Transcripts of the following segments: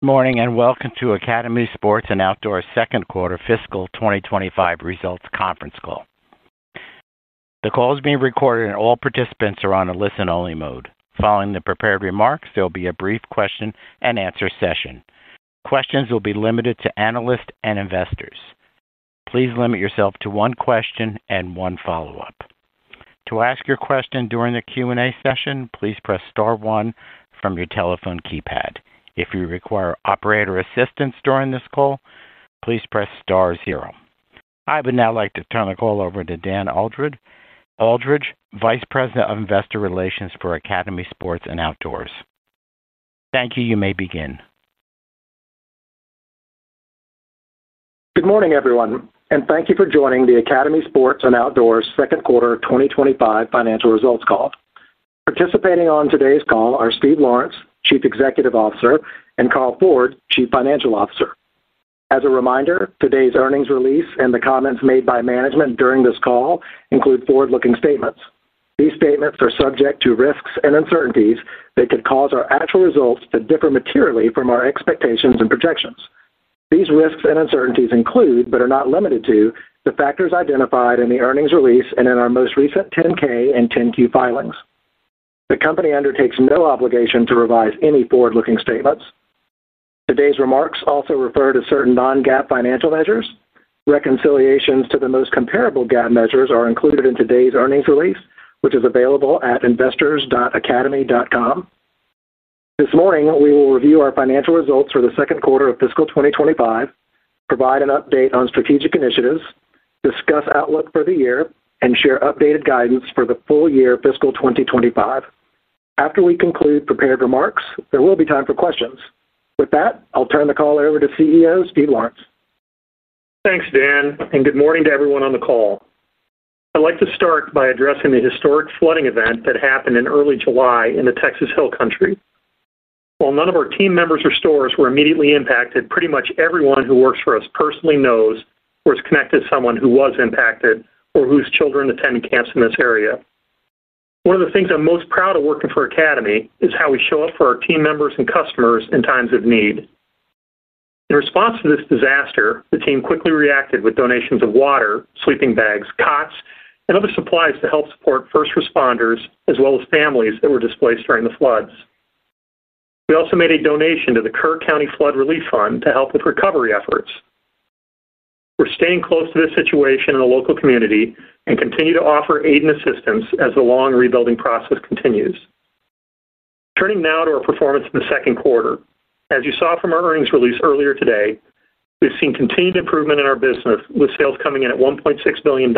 Morning and welcome to Academy Sports + Outdoors Second Quarter Fiscal 2025 Results Conference Call. The call is being recorded, and all participants are on a listen-only mode. Following the prepared remarks, there will be a brief question-and-answer session. Questions will be limited to analysts and investors. Please limit yourself to one question and one follow-up. To ask your question during the Q&A session, please press Star, one from your telephone keypad. If you require operator assistance during this call, please press Star, zero. I would now like to turn the call over to Dan Aldridge, Vice President of Investor Relations for Academy Sports + Outdoors. Thank you. You may begin. Good morning, everyone, and thank you for joining the Academy Sports + Outdoors Second Quarter 2025 Financial Results Call. Participating on today's call are Steve Lawrence, Chief Executive Officer, and Carl Ford, Chief Financial Officer. As a reminder, today's earnings release and the comments made by management during this call include forward-looking statements. These statements are subject to risks and uncertainties that could cause our actual results to differ materially from our expectations and projections. These risks and uncertainties include, but are not limited to, the factors identified in the earnings release and in our most recent 10-K and 10-Q filings. The company undertakes no obligation to revise any forward-looking statements. Today's remarks also refer to certain non-GAAP financial measures. Reconciliations to the most comparable GAAP measures are included in today's earnings release, which is available at investors.academy.com. This morning, we will review our financial results for the second quarter of fiscal 2025, provide an update on strategic initiatives, discuss outlook for the year, and share updated guidance for the full year fiscal 2025. After we conclude prepared remarks, there will be time for questions. With that, I'll turn the call over to CEO Steve Lawrence. Thanks, Dan, and good morning to everyone on the call. I'd like to start by addressing the historic flooding event that happened in early July in the Texas Hill Country. While none of our team members or stores were immediately impacted, pretty much everyone who works for us personally knows or is connected to someone who was impacted or whose children attend camps in this area. One of the things I'm most proud of working for Academy is how we show up for our team members and customers in times of need. In response to this disaster, the team quickly reacted with donations of water, sleeping bags, cots, and other supplies to help support first responders as well as families that were displaced during the floods. We also made a donation to the Kerr County Flood Relief Fund to help with recovery efforts. We're staying close to this situation in a local community and continue to offer aid and assistance as the long rebuilding process continues. Turning now to our performance in the second quarter. As you saw from our earnings release earlier today, we've seen continued improvement in our business, with sales coming in at $1.6 billion,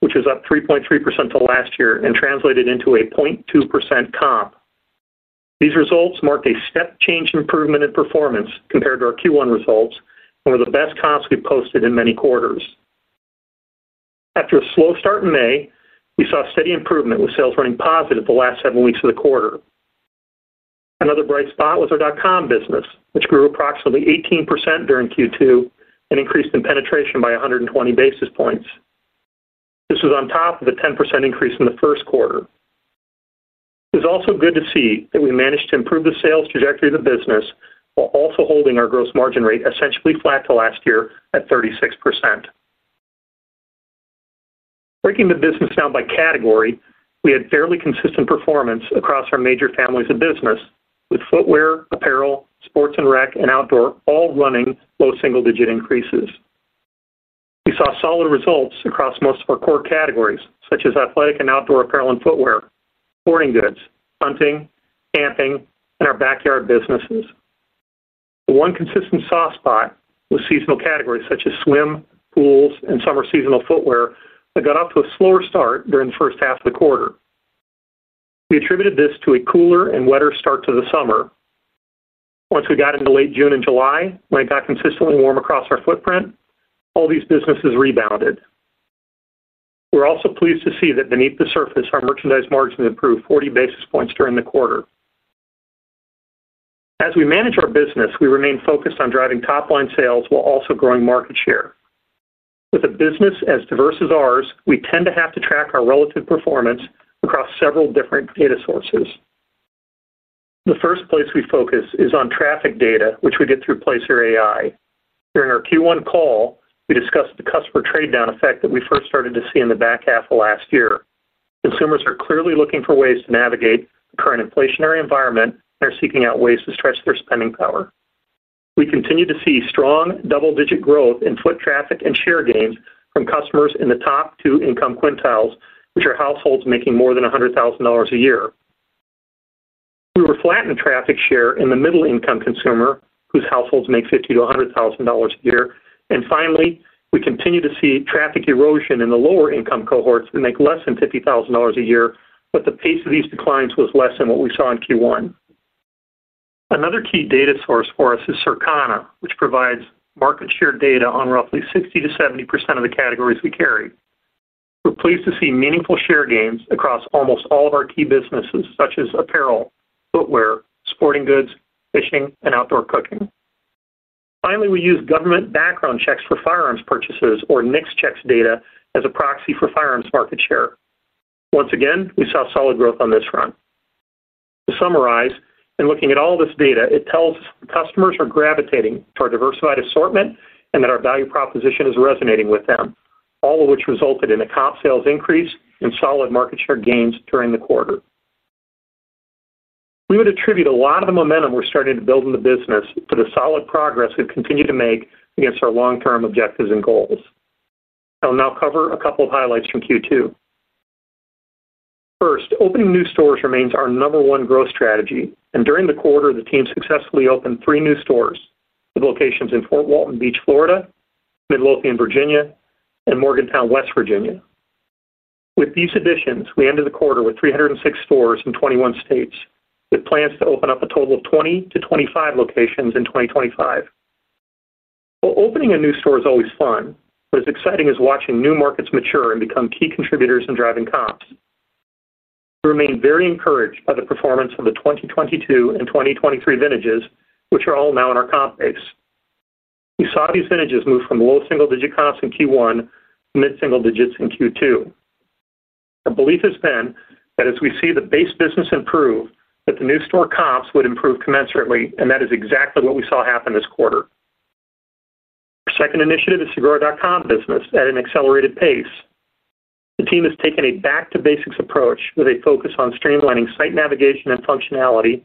which is up 3.3% to last year and translated into a 0.2% comp. These results marked a step-change improvement in performance compared to our Q1 results and were the best comps we've posted in many quarters. After a slow start in May, we saw steady improvement with sales running positive the last seven weeks of the quarter. Another bright spot was our dot-com business, which grew approximately 18% during Q2 and increased in penetration by 120 basis points. This was on top of a 10% increase in the first quarter. It was also good to see that we managed to improve the sales trajectory of the business while also holding our gross margin rate essentially flat to last year at 36%. Breaking the business down by category, we had fairly consistent performance across our major families of business, with footwear, apparel, sports and rec, and outdoor all running low single-digit increases. We saw solid results across most of our core categories, such as athletic and outdoor apparel and footwear, sporting goods, hunting, camping, and our backyard businesses. One consistent soft spot was seasonal categories such as swim, pools, and summer seasonal footwear that got off to a slower start during the first half of the quarter. We attributed this to a cooler and wetter start to the summer. Once we got into late June and July, when it got consistently warm across our footprint, all these businesses rebounded. We're also pleased to see that beneath the surface, our merchandise margins improved 40 basis points during the quarter. As we manage our business, we remain focused on driving top-line sales while also growing market share. With a business as diverse as ours, we tend to have to track our relative performance across several different data sources. The first place we focus is on traffic data, which we get through Placer AI. During our Q1 call, we discussed the customer trade-down effect that we first started to see in the back half of last year. Consumers are clearly looking for ways to navigate the current inflationary environment and are seeking out ways to stretch their spending power. We continue to see strong double-digit growth in foot traffic and share gains from customers in the top two income quintiles, which are households making more than $100,000 a year. We were flat in traffic share in the middle-income consumer, whose households make $50,000-$100,000 a year. Finally, we continue to see traffic erosion in the lower-income cohorts that make less than $50,000 a year, but the pace of these declines was less than what we saw in Q1. Another key data source for us is Circana, which provides market share data on roughly 60%-70% of the categories we carry. We're pleased to see meaningful share gains across almost all of our key businesses, such as apparel, footwear, sporting goods, fishing, and outdoor cooking. Finally, we use government background checks for firearms purchases or NICS checks data as a proxy for firearms market share. Once again, we saw solid growth on this front. To summarize, in looking at all this data, it tells us that customers are gravitating to our diversified assortment and that our value proposition is resonating with them, all of which resulted in a comp sales increase and solid market share gains during the quarter. We would attribute a lot of the momentum we're starting to build in the business to the solid progress we've continued to make against our long-term objectives and goals. I'll now cover a couple of highlights from Q2. First, opening new stores remains our number one growth strategy, and during the quarter, the team successfully opened three new stores with locations in Fort Walton Beach, Florida, Midlothian, Virginia, and Morgantown, West Virginia. With these additions, we ended the quarter with 306 stores in 21 states, with plans to open up a total of 20-25 locations in 2025. While opening a new store is always fun, what is exciting is watching new markets mature and become key contributors in driving comps. We remain very encouraged by the performance of the 2022 and 2023 vintages, which are all now in our comp base. We saw these vintages move from low single-digit comps in Q1 to mid-single-digits in Q2. Our belief has been that as we see the base business improve, that the new store comps would improve commensurately, and that is exactly what we saw happen this quarter. Our second initiative is to grow our dot-com business at an accelerated pace. The team has taken a back-to-basics approach with a focus on streamlining site navigation and functionality,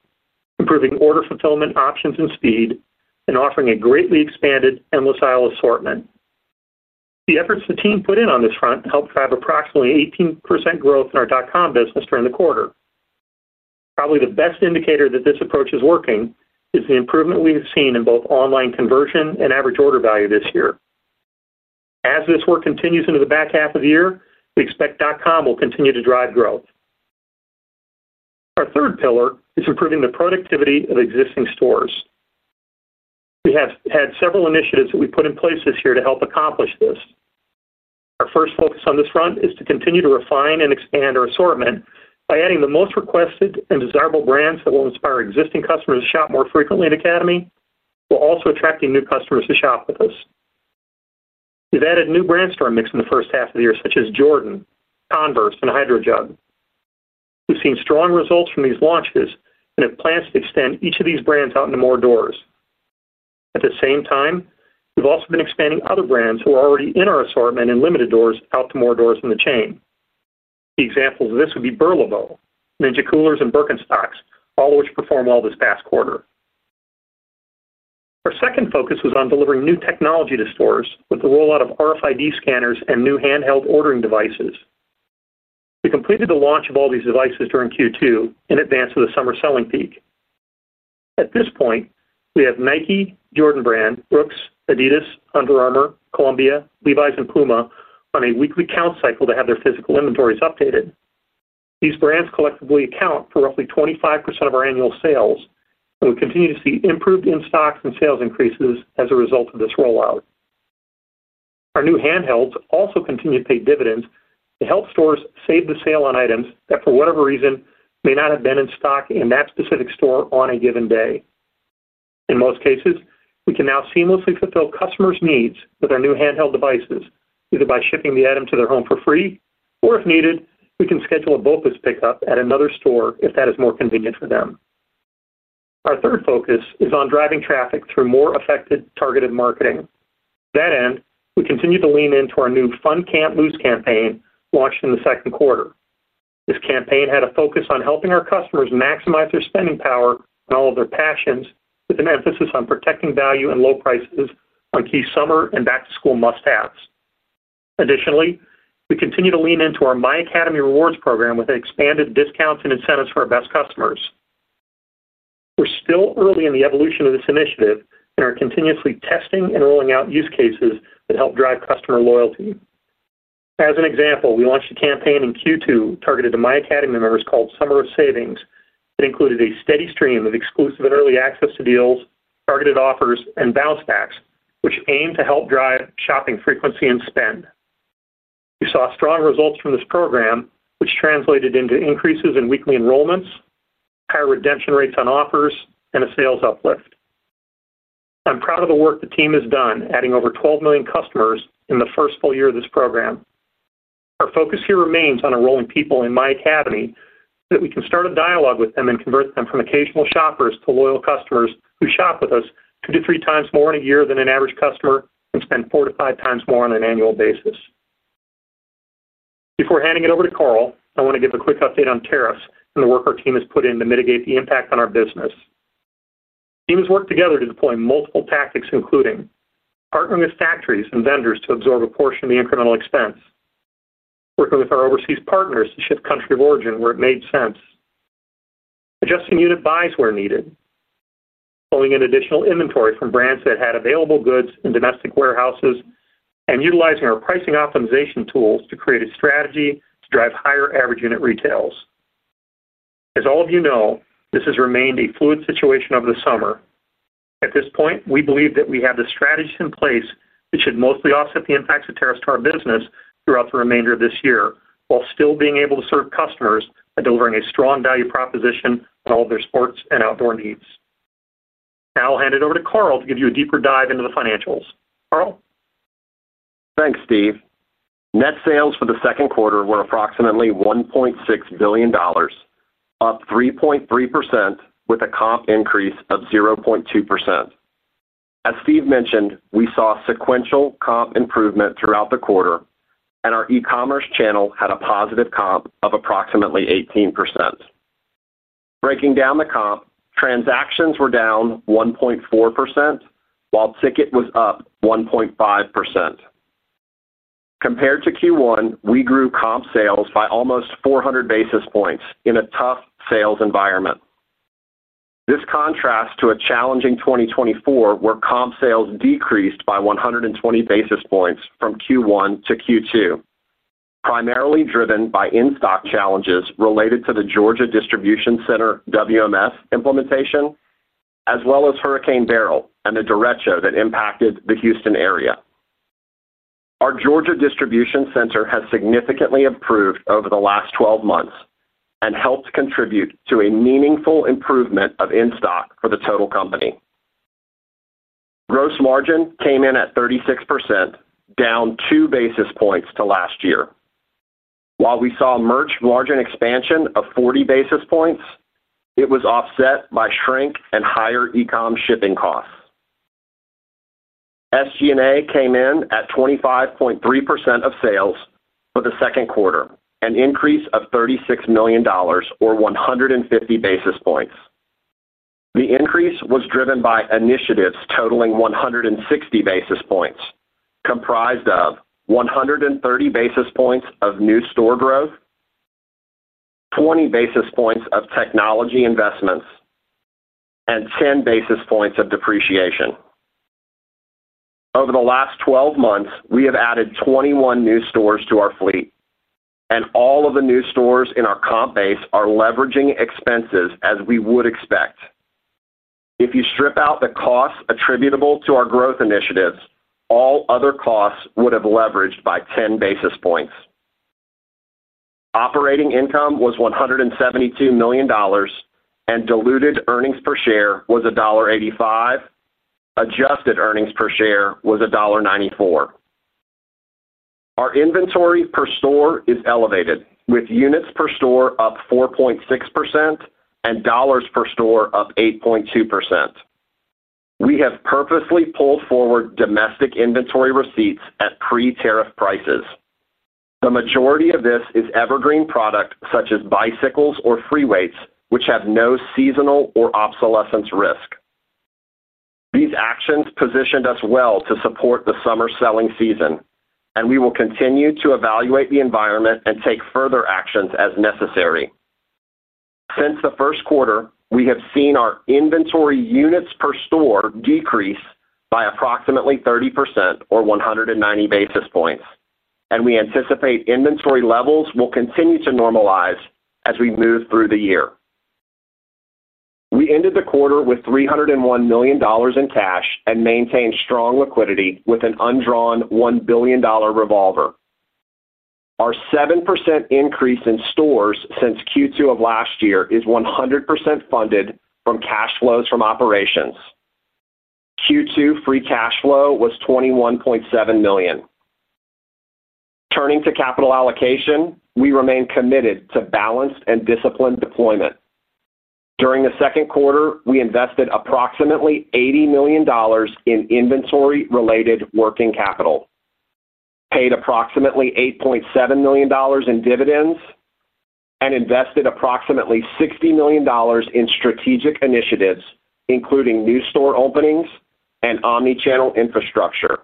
improving order fulfillment options and speed, and offering a greatly expanded and versatile assortment. The efforts the team put in on this front helped drive approximately 18% growth in our dot-com business during the quarter. Probably the best indicator that this approach is working is the improvement we've seen in both online conversion and average order value this year. As this work continues into the back half of the year, we expect dot-com will continue to drive growth. Our third pillar is improving the productivity of existing stores. We have had several initiatives that we put in place this year to help accomplish this. Our first focus on this front is to continue to refine and expand our assortment by adding the most requested and desirable brands that will inspire existing customers to shop more frequently at Academy, while also attracting new customers to shop with us. We've added new brands to our mix in the first half of the year, such as Jordan, Converse, and HydroJug. We've seen strong results from these launches and have plans to extend each of these brands out into more doors. At the same time, we've also been expanding other brands who are already in our assortment and limited doors out to more doors in the chain. The examples of this would be BURLEBO, Ninja, and Birkenstock, all of which performed well this past quarter. Our second focus was on delivering new technology to stores with the rollout of RFID handheld scanners and new handheld ordering devices. We completed the launch of all these devices during Q2 in advance of the summer selling peak. At this point, we have Nike, Jordan, Brooks, Adidas, Under Armour, Columbia, Levi's, and Puma on a weekly count cycle to have their physical inventories updated. These brands collectively account for roughly 25% of our annual sales, and we continue to see improved in-stock and sales increases as a result of this rollout. Our new handhelds also continue to pay dividends to help stores save the sale on items that for whatever reason may not have been in stock in that specific store on a given day. In most cases, we can now seamlessly fulfill customers' needs with our new handheld devices, either by shipping the item to their home for free, or if needed, we can schedule a BOPIS pickup at another store if that is more convenient for them. Our third focus is on driving traffic through more effective targeted marketing. To that end, we continue to lean into our new Fun Can't Lose campaign launched in the second quarter. This campaign had a focus on helping our customers maximize their spending power and all of their passions, with an emphasis on protecting value and low prices on key summer and back-to-school must-haves. Additionally, we continue to lean into our myAcademy loyalty program with expanded discounts and incentives for our best customers. We're still early in the evolution of this initiative, and are continuously testing and rolling out use cases that help drive customer loyalty. As an example, we launched a campaign in Q2 targeted to myAcademy members called Summer of Savings that included a steady stream of exclusive and early access to deals, targeted offers, and bouncebacks, which aimed to help drive shopping frequency and spend. We saw strong results from this program, which translated into increases in weekly enrollments, higher redemption rates on offers, and a sales uplift. I'm proud of the work the team has done, adding over 12 million customers in the first full year of this program. Our focus here remains on enrolling people in myAcademy so that we can start a dialogue with them and convert them from occasional shoppers to loyal customers who shop with us 2x-3x more in a year than an average customer who spends 4x-5x more on an annual basis. Before handing it over to Carl, I want to give a quick update on tariffs and the work our team has put in to mitigate the impact on our business. The team has worked together to deploy multiple tactics, including partnering with factories and vendors to absorb a portion of the incremental expense, working with our overseas partners to ship country of origin where it made sense, adjusting unit buys where needed, pulling in additional inventory from brands that had available goods in domestic warehouses, and utilizing our pricing optimization tools to create a strategy to drive higher average unit retails. As all of you know, this has remained a fluid situation over the summer. At this point, we believe that we have the strategies in place that should mostly offset the impacts of tariffs to our business throughout the remainder of this year, while still being able to serve customers by delivering a strong value proposition on all of their sports and outdoor needs. Now I'll hand it over to Carl to give you a deeper dive into the financials. Carl? Thanks, Steve. Net sales for the second quarter were approximately $1.6 billion, up 3.3% with a comp increase of 0.2%. As Steve mentioned, we saw sequential comp improvement throughout the quarter, and our e-commerce channel had a positive comp of approximately 18%. Breaking down the comp, transactions were down 1.4%, while ticket was up 1.5%. Compared to Q1, we grew comp sales by almost 400 basis points in a tough sales environment. This contrasts to a challenging 2024 where comp sales decreased by 120 basis points from Q1-Q2, primarily driven by in-stock challenges related to the Georgia Distribution Center WMS implementation, as well as Hurricane Beryl and the derecho that impacted the Houston area. Our Georgia Distribution Center has significantly improved over the last 12 months and helped contribute to a meaningful improvement of in-stock for the total company. Gross margin came in at 36%, down 2 basis points to last year. While we saw a merch margin expansion of 40 basis points, it was offset by shrink and higher e-commerce shipping costs. SG&A came in at 25.3% of sales for the second quarter, an increase of $36 million, or 150 basis points. The increase was driven by initiatives totaling 160 basis points, comprised of 130 basis points of new store growth, 20 basis points of technology investments, and 10 basis points of depreciation. Over the last 12 months, we have added 21 new stores to our fleet, and all of the new stores in our comp base are leveraging expenses as we would expect. If you strip out the costs attributable to our growth initiatives, all other costs would have leveraged by 10 basis points. Operating income was $172 million, and diluted earnings per share was $1.85. Adjusted earnings per share was $1.94. Our inventory per store is elevated, with units per store up 4.6% and dollars per store up 8.2%. We have purposely pulled forward domestic inventory receipts at pre-tariff prices. The majority of this is evergreen products such as bicycles or free weights, which have no seasonal or obsolescence risk. These actions positioned us well to support the summer selling season, and we will continue to evaluate the environment and take further actions as necessary. Since the first quarter, we have seen our inventory units per store decrease by approximately 30% or 190 basis points, and we anticipate inventory levels will continue to normalize as we move through the year. We ended the quarter with $301 million in cash and maintained strong liquidity with an undrawn $1 billion revolver. Our 7% increase in stores since Q2 of last year is 100% funded from cash flows from operations. Q2 free cash flow was $21.7 million. Turning to capital allocation, we remain committed to balanced and disciplined deployment. During the second quarter, we invested approximately $80 million in inventory-related working capital, paid approximately $8.7 million in dividends, and invested approximately $60 million in strategic initiatives, including new store openings and omnichannel infrastructure.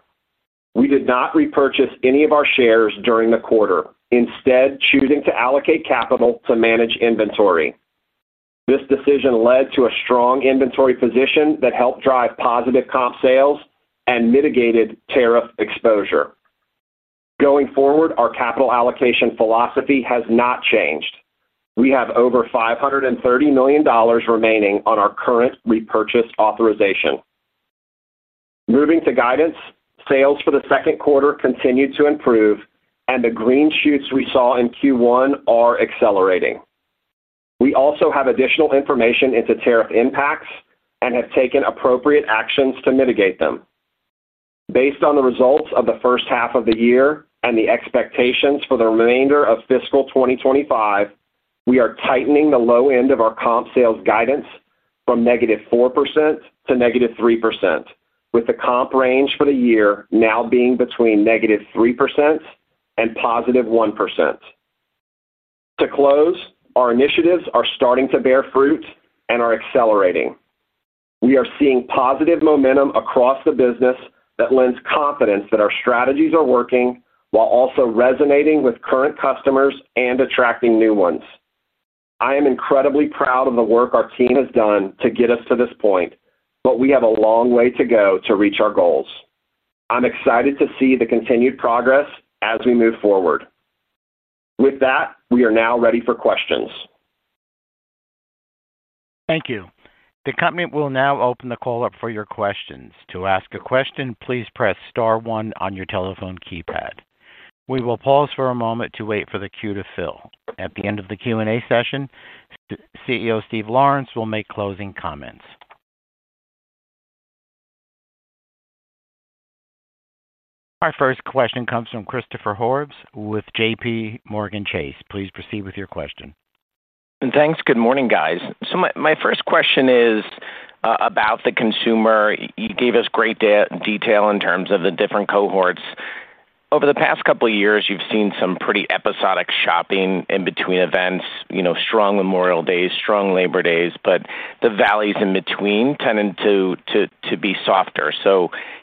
We did not repurchase any of our shares during the quarter, instead choosing to allocate capital to manage inventory. This decision led to a strong inventory position that helped drive positive comp sales and mitigated tariff exposure. Going forward, our capital allocation philosophy has not changed. We have over $530 million remaining on our current repurchase authorization. Moving to guidance, sales for the second quarter continue to improve, and the green shoots we saw in Q1 are accelerating. We also have additional information into tariff impacts and have taken appropriate actions to mitigate them. Based on the results of the first half of the year and the expectations for the remainder of fiscal 2025, we are tightening the low end of our comp sales guidance from -4%--3%, with the comp range for the year now being between -3% and +1%. To close, our initiatives are starting to bear fruit and are accelerating. We are seeing positive momentum across the business that lends confidence that our strategies are working while also resonating with current customers and attracting new ones. I am incredibly proud of the work our team has done to get us to this point, but we have a long way to go to reach our goals. I'm excited to see the continued progress as we move forward. With that, we are now ready for questions. Thank you. The company will now open the call up for your questions. To ask a question, please press Star, one on your telephone keypad. We will pause for a moment to wait for the queue to fill. At the end of the Q&A session, CEO Steve Lawrence will make closing comments. Our first question comes from Christopher Horvers with JPMorgan Chase. Please proceed with your question. Thanks. Good morning, guys. My first question is about the consumer. You gave us great detail in terms of the different cohorts. Over the past couple of years, you've seen some pretty episodic shopping in between events, you know, strong Memorial Days, strong Labor Days, but the valleys in between tended to be softer.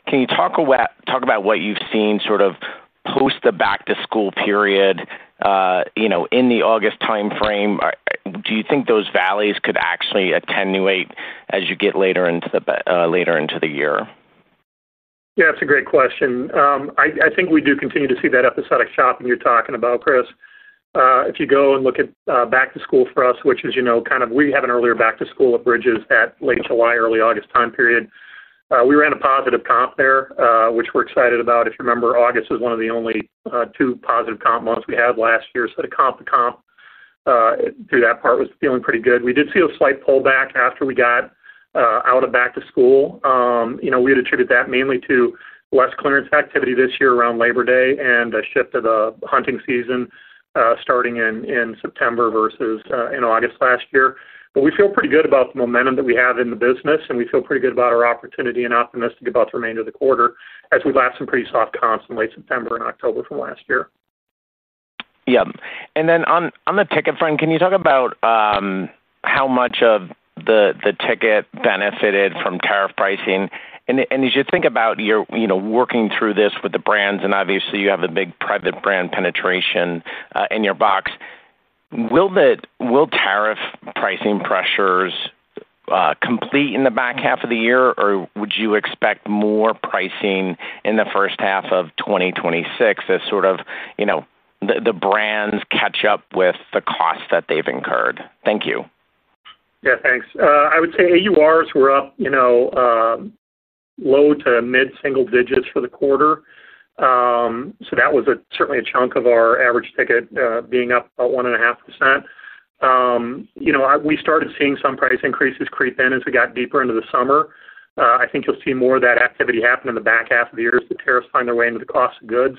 Can you talk about what you've seen sort of post the back-to-school period, you know, in the August timeframe? Do you think those valleys could actually attenuate as you get later into the year? Yeah, that's a great question. I think we do continue to see that episodic shopping you're talking about, Chris. If you go and look at back-to-school for us, which is, you know, kind of we have an earlier back-to-school that bridges that late July, early August time period. We ran a positive comp there, which we're excited about. If you remember, August was one of the only two positive comp months we had last year. The comp-to-comp through that part was feeling pretty good. We did see a slight pullback after we got out of back-to-school. We would attribute that mainly to less clearance activity this year around Labor Day and the shift of the hunting season starting in September versus in August last year. We feel pretty good about the momentum that we have in the business, and we feel pretty good about our opportunity and optimistic about the remainder of the quarter as we laughed some pretty soft comps in late September and October from last year. On the ticket front, can you talk about how much of the ticket benefited from tariff pricing? As you think about your working through this with the brands, and obviously you have a big private brand penetration in your box, will tariff pricing pressures complete in the back half of the year, or would you expect more pricing in the first half of 2026 as the brands catch up with the costs that they've incurred? Thank you. Yeah, thanks. I would say AURs were up, you know, low to mid-single-digits for the quarter. That was certainly a chunk of our average ticket being up about 1.5%. You know, we started seeing some price increases creep in as we got deeper into the summer. I think you'll see more of that activity happen in the back half of the year as the tariffs find their way into the cost of goods.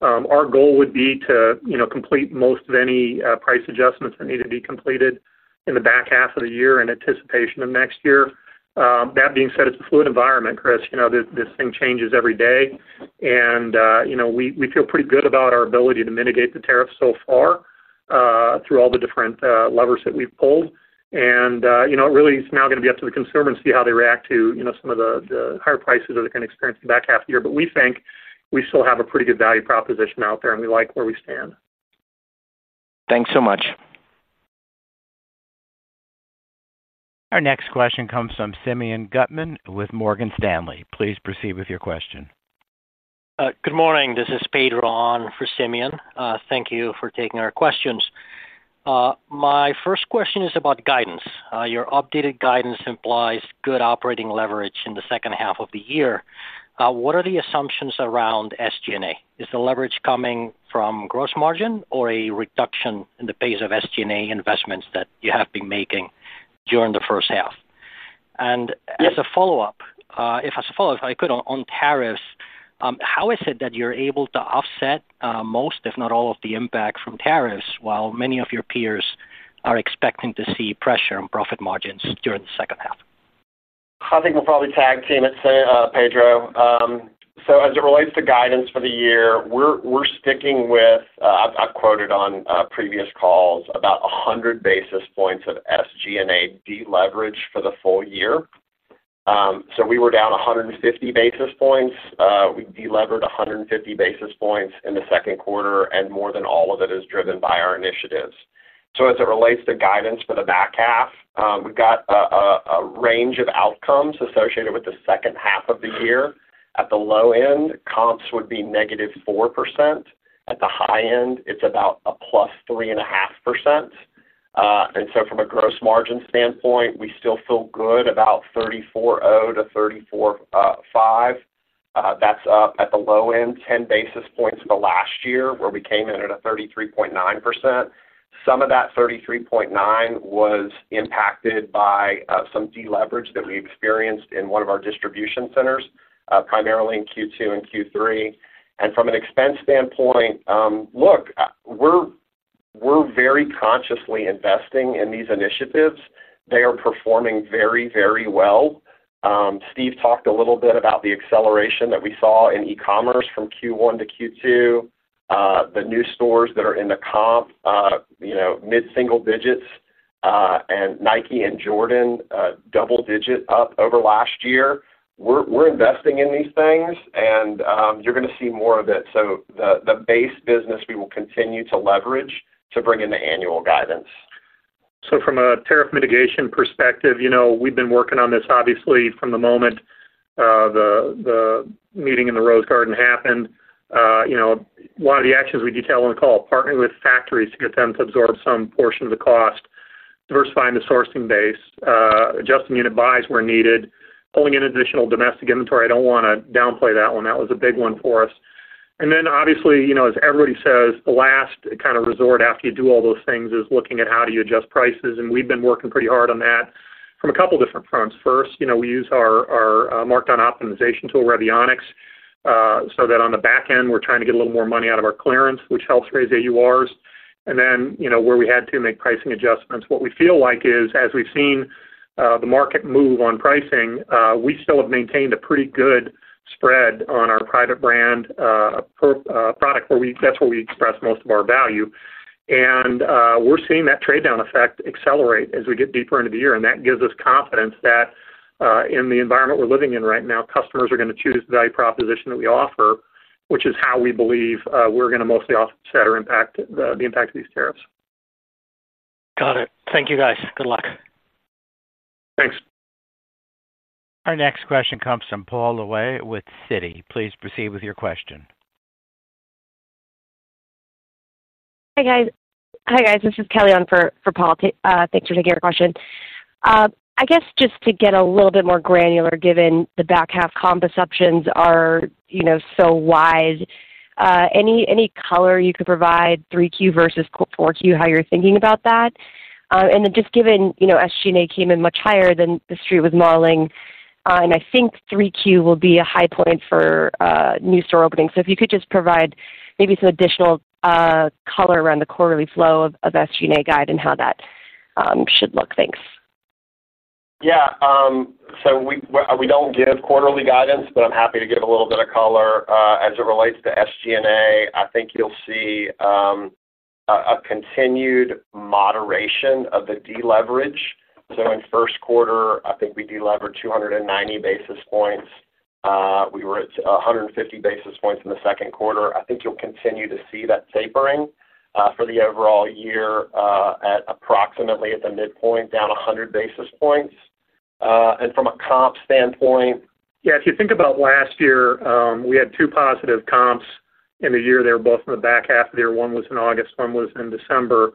Our goal would be to, you know, complete most of any price adjustments that need to be completed in the back half of the year in anticipation of next year. That being said, it's a fluid environment, Chris. You know, this thing changes every day. We feel pretty good about our ability to mitigate the tariffs so far through all the different levers that we've pulled. It really is now going to be up to the consumer to see how they react to, you know, some of the higher prices that they can experience in the back half of the year. We think we still have a pretty good value proposition out there, and we like where we stand. Thanks so much. Our next question comes from Simeon Gutman with Morgan Stanley. Please proceed with your question. Good morning. This is Pedro on for Simeon. Thank you for taking our questions. My first question is about guidance. Your updated guidance implies good operating leverage in the second half of the year. What are the assumptions around SG&A? Is the leverage coming from gross margin or a reduction in the pace of SG&A investments that you have been making during the first half? As a follow-up, if I could, on tariffs, how is it that you're able to offset most, if not all, of the impact from tariffs while many of your peers are expecting to see pressure on profit margins during the second half? I think I'll probably tag team, it's Pedro. As it relates to guidance for the year, we're sticking with, I've quoted on previous calls, about 100 basis points of SG&A deleverage for the full year. We were down 150 basis points. We delevered 150 basis points in the second quarter, and more than all of it is driven by our initiatives. As it relates to guidance for the back half, we've got a range of outcomes associated with the second half of the year. At the low end, comps would be -4%. At the high end, it's about a +3.5%. From a gross margin standpoint, we still feel good about 34.0%-34.5%. That's up at the low end, 10 basis points from last year where we came in at 33.9%. Some of that 33.9% was impacted by some deleverage that we experienced in one of our distribution centers, primarily in Q2 and Q3. From an expense standpoint, look, we're very consciously investing in these initiatives. They are performing very, very well. Steve talked a little bit about the acceleration that we saw in e-commerce from Q1-Q2. The new stores that are in the comp, you know, mid-single-digits, and Nike and Jordan double-digit up over last year. We're investing in these things, and you're going to see more of it. The base business we will continue to leverage to bring in the annual guidance. From a tariff mitigation perspective, we've been working on this, obviously, from the moment the meeting in the Rose Garden happened. A lot of the actions we detailed on the call, partnering with factories to get them to absorb some portion of the cost, diversifying the sourcing base, adjusting unit buys where needed, pulling in additional domestic inventory. I don't want to downplay that one. That was a big one for us. Obviously, as everybody says, the last kind of resort after you do all those things is looking at how do you adjust prices. We've been working pretty hard on that from a couple of different fronts. First, we use our markdown optimization tool, Revionics, so that on the back end, we're trying to get a little more money out of our clearance, which helps raise AURs. Where we had to make pricing adjustments, what we feel like is, as we've seen the market move on pricing, we still have maintained a pretty good spread on our private brand product, where we that's where we express most of our value. We're seeing that trade-down effect accelerate as we get deeper into the year. That gives us confidence that in the environment we're living in right now, customers are going to choose the value proposition that we offer, which is how we believe we're going to mostly offset or impact the impact of these tariffs. Got it. Thank you, guys. Good luck. Thanks. Our next question comes from Paul Lee with Citi. Please proceed with your question. Hi, guys. This is Kelly on for Paul. Thanks for taking your question. I guess just to get a little bit more granular, given the back half comp assumptions are, you know, so wide, any color you could provide 3Q versus 4Q, how you're thinking about that? Just given, you know, SG&A came in much higher than the street was modeling, and I think 3Q will be a high point for new store openings. If you could just provide maybe some additional color around the quarterly flow of SG&A guide and how that should look. Thanks. Yeah. We don't give quarterly guidance, but I'm happy to give a little bit of color. As it relates to SG&A, I think you'll see a continued moderation of the deleverage. In the first quarter, I think we delivered 290 basis points. We were at 150 basis points in the second quarter. I think you'll continue to see that tapering for the overall year at approximately, at the midpoint, down 100 basis points. From a comp standpoint, if you think about last year, we had two positive comps in the year. They were both in the back half of the year. One was in August. One was in December.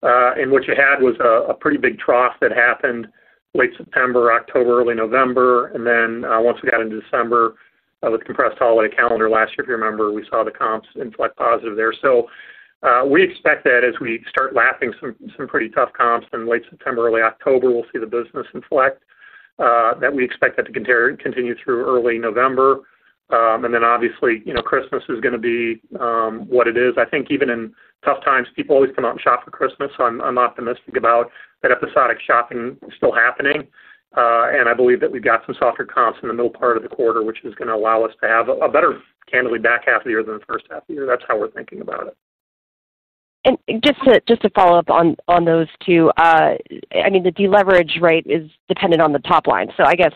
What you had was a pretty big trough that happened late September, October, early November. Once we got into December, with the compressed holiday calendar last year, if you remember, we saw the comps inflect positive there. We expect that as we start lapping some pretty tough comps in late September, early October, we'll see the business inflect and we expect that to continue through early November. Obviously, you know, Christmas is going to be what it is. I think even in tough times, people always come out and shop for Christmas. I'm optimistic about that episodic shopping still happening. I believe that we've got some softer comps in the middle part of the quarter, which is going to allow us to have a better, candidly, back half of the year than the first half of the year. That's how we're thinking about it. Just to follow up on those two, I mean, the deleverage rate is dependent on the top line. I guess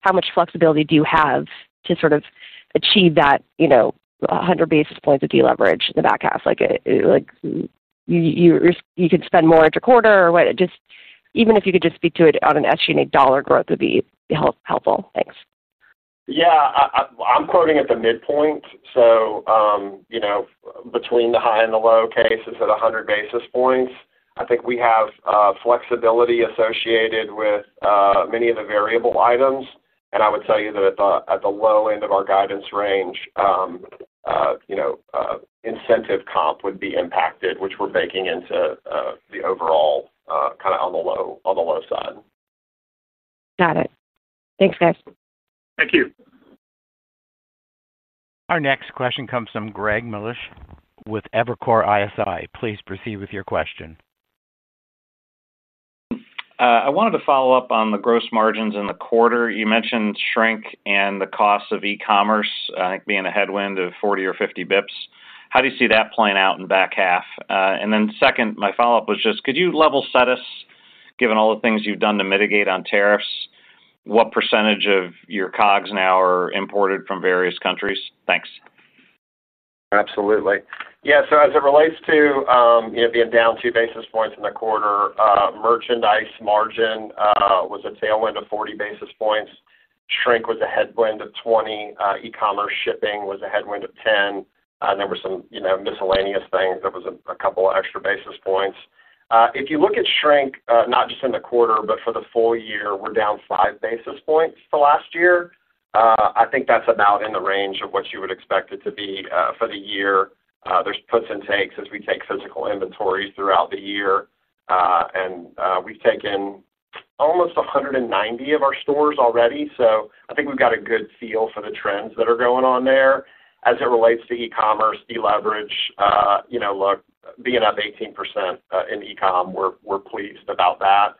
how much flexibility do you have to sort of achieve that 100 basis points of deleverage in the back half? Like you could spend more every quarter, or what? Even if you could just speak to it on an SG&A dollar growth would be helpful. Thanks. I'm quoting at the midpoint. Between the high and the low cases at 100 basis points, I think we have flexibility associated with many of the variable items. I would tell you that at the low end of our guidance range, incentive comp would be impacted, which we're baking into the overall kind of on the low side. Got it. Thanks, guys. Thank you. Our next question comes from Greg Melich with Evercore ISI. Please proceed with your question. I wanted to follow up on the gross margins in the quarter. You mentioned shrink and the costs of e-commerce being a headwind of 40 or 50 basis points. How do you see that playing out in the back half? My follow-up was just, could you level set us, given all the things you've done to mitigate on tariffs, what percentage of your COGS now are imported from various countries? Thanks. Absolutely. Yeah. As it relates to being down 2 basis points in the quarter, merchandise margin was a tailwind of 40 basis points. Shrink was a headwind of 20. E-commerce shipping was a headwind of 10. There were some miscellaneous things. There was a couple of extra basis points. If you look at shrink, not just in the quarter, but for the full year, we're down 5 basis points to last year. I think that's about in the range of what you would expect it to be for the year. There are puts and takes as we take physical inventory throughout the year. We've taken almost 190 of our stores already. I think we've got a good feel for the trends that are going on there. As it relates to e-commerce, deleverage, look, being up 18% in e-com, we're pleased about that.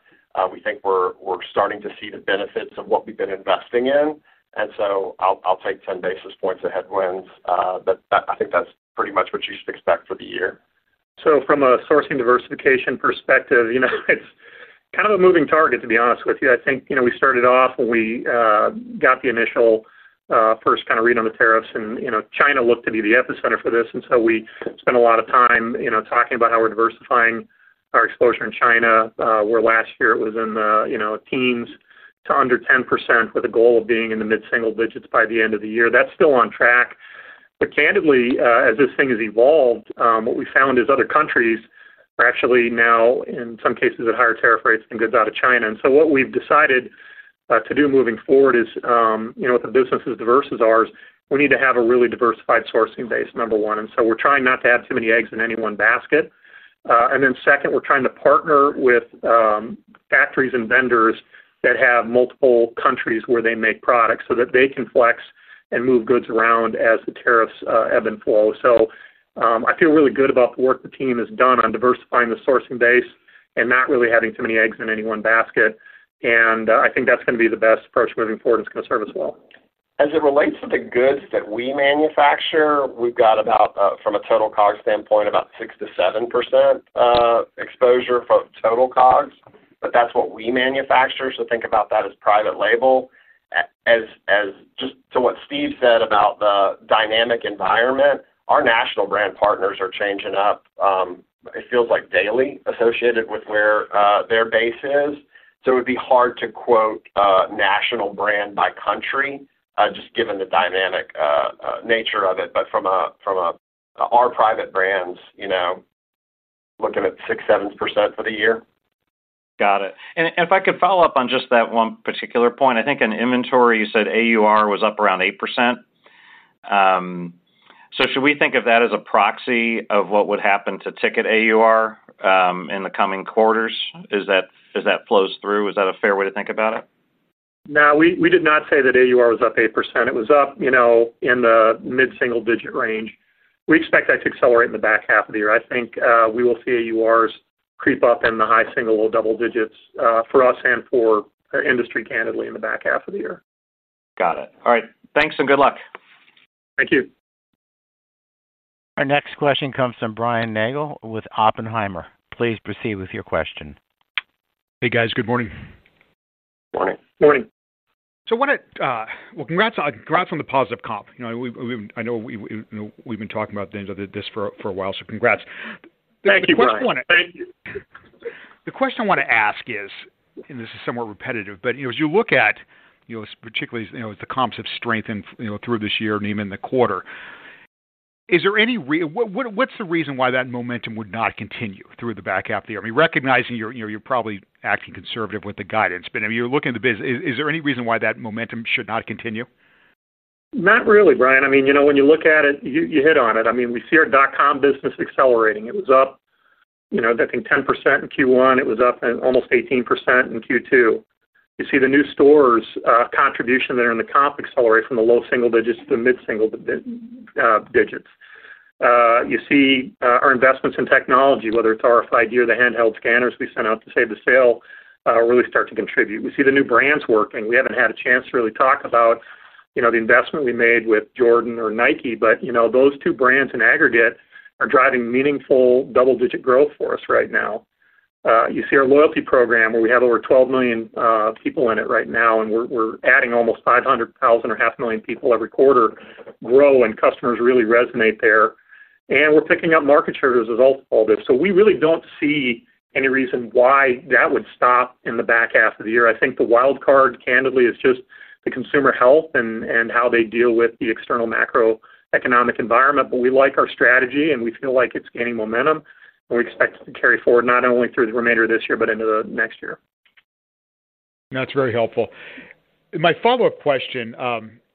We think we're starting to see the benefits of what we've been investing in. I'll take 10 basis points of headwinds. I think that's pretty much what you should expect for the year. From a sourcing diversification perspective, it's kind of a moving target, to be honest with you. I think we started off when we got the initial first kind of read on the tariffs, and China looked to be the epicenter for this. We spent a lot of time talking about how we're diversifying our exposure in China, where last year it was in the teens to under 10% with a goal of being in the mid-single-digits by the end of the year. That's still on track. Candidly, as this thing has evolved, what we found is other countries are actually now, in some cases, at higher tariff rates than goods out of China. What we've decided to do moving forward is, with a business as diverse as ours, we need to have a really diversified sourcing base, number one. We're trying not to have too many eggs in any one basket. Second, we're trying to partner with factories and vendors that have multiple countries where they make products so that they can flex and move goods around as the tariffs ebb and flow. I feel really good about the work the team has done on diversifying the sourcing base and not really having too many eggs in any one basket. I think that's going to be the best approach moving forward. It's going to serve us well. As it relates to the goods that we manufacture, we've got about, from a total COG standpoint, about 6%-7% exposure from total COGs. That's what we manufacture. Think about that as private label. As to what Steve said about the dynamic environment, our national brand partners are changing up, it feels like daily, associated with where their base is. It would be hard to quote a national brand by country, just given the dynamic nature of it. From our private brands, you know, looking at 6%, 7% for the year. Got it. If I could follow up on just that one particular point, I think in inventory, you said AUR was up around 8%. Should we think of that as a proxy of what would happen to ticket AUR in the coming quarters as that flows through? Is that a fair way to think about it? No, we did not say that AUR was up 8%. It was up in the mid-single digit range. We expect that to accelerate in the back half of the year. I think we will see AURs creep up in the high single or double-digits for us and for our industry, candidly, in the back half of the year. Got it. All right. Thanks and good luck. Thank you. Our next question comes from Brian Nagel with Oppenheimer. Please proceed with your question. Hey, guys. Good morning. Morning. Morning. I want to, congrats on the positive comp. I know we've been talking about this for a while, so congrats. Thank you. The question I want to ask is, and this is somewhat repetitive, but as you look at, particularly, the comps have strengthened through this year and even the quarter, is there any, what's the reason why that momentum would not continue through the back half of the year? I mean, recognizing you're probably acting conservative with the guidance, but you're looking at the business. Is there any reason why that momentum should not continue? Not really, Brian. I mean, you know, when you look at it, you hit on it. We see our dot-com business accelerating. It was up, you know, I think 10% in Q1. It was up almost 18% in Q2. You see the new stores' contribution there in the comp accelerate from the low-single digits to the mid-single-digits. You see our investments in technology, whether it's RFID handheld scanners we sent out to save the sale, really start to contribute. We see the new brands working. We haven't had a chance to really talk about, you know, the investment we made with Jordan or Nike, but you know, those two brands in aggregate are driving meaningful double-digit growth for us right now. You see our loyalty program where we have over 12 million people in it right now, and we're adding almost 500,000 or 0.5 million people every quarter, and customers really resonate there. We're picking up market share as a result of all this. We really don't see any reason why that would stop in the back half of the year. I think the wildcard, candidly, is just the consumer health and how they deal with the external macroeconomic environment. We like our strategy, and we feel like it's gaining momentum, and we expect it to carry forward not only through the remainder of this year, but into the next year. That's very helpful. My follow-up question,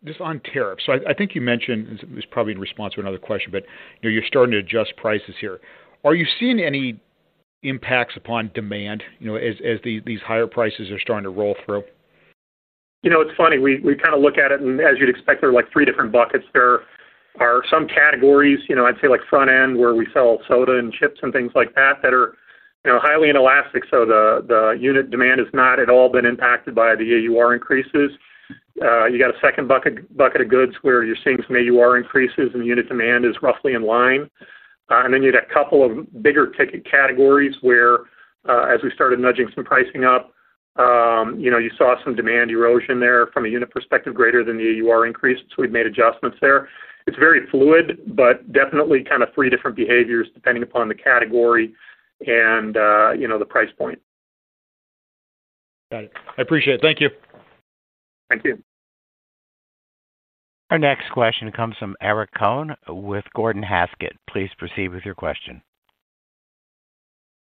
just on tariffs. I think you mentioned, and this is probably in response to another question, but you know, you're starting to adjust prices here. Are you seeing any impacts upon demand, you know, as these higher prices are starting to roll through? You know, it's funny. We kind of look at it, and as you'd expect, there are like three different buckets. There are some categories, I'd say like front end where we sell soda and chips and things like that that are highly inelastic. The unit demand has not at all been impacted by the AUR increases. You got a second bucket of goods where you're seeing some AUR increases, and the unit demand is roughly in line. Then you had a couple of bigger ticket categories where, as we started nudging some pricing up, you saw some demand erosion there from a unit perspective, greater than the AUR increase. We've made adjustments there. It's very fluid, but definitely kind of three different behaviors depending upon the category and the price point. Got it. I appreciate it. Thank you. Thank you. Our next question comes from Eric Cohen with Gordon Haskett. Please proceed with your question.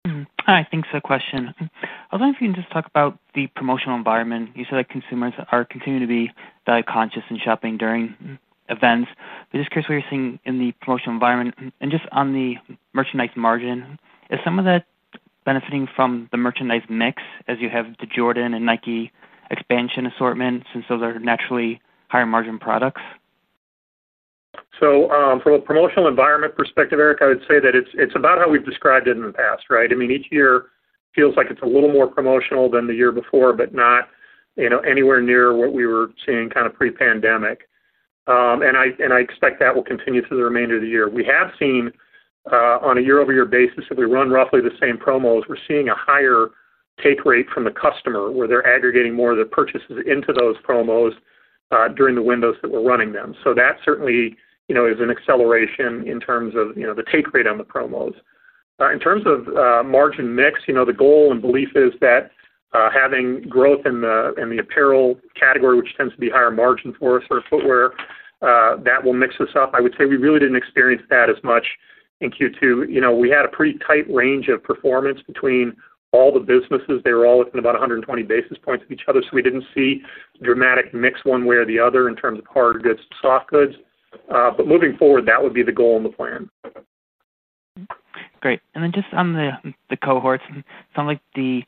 Hi. Thanks for the question. I was wondering if you can just talk about the promotional environment. You said that consumers are continuing to be value conscious in shopping during events. I'm just curious what you're seeing in the promotional environment. Just on the merchandise margin, is some of that benefiting from the merchandise mix as you have the Jordan and Nike expansion assortment since those are naturally higher margin products? From a promotional environment perspective, Eric, I would say that it's about how we've described it in the past, right? I mean, each year feels like it's a little more promotional than the year before, but not, you know, anywhere near what we were seeing kind of pre-pandemic. I expect that will continue through the remainder of the year. We have seen, on a year-over-year basis, if we run roughly the same promos, we're seeing a higher take rate from the customer where they're aggregating more of the purchases into those promos during the windows that we're running them. That certainly is an acceleration in terms of the take rate on the promos. In terms of margin mix, the goal and belief is that having growth in the apparel category, which tends to be higher margin for us, or footwear, that will mix us up. I would say we really didn't experience that as much in Q2. We had a pretty tight range of performance between all the businesses. They were all within about 120 basis points of each other. We didn't see dramatic mix one way or the other in terms of hard goods and soft goods. Moving forward, that would be the goal and the plan. Great. Just on the cohorts, it sounds like the